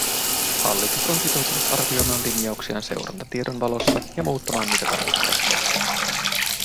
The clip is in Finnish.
Hallitus on sitoutunut arvioimaan linjauksiaan seurantatiedon valossa ja muuttamaan niitä tarvittaessa.